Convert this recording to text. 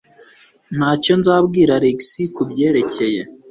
Ntacyo nzabwira Alex kubyerekeye.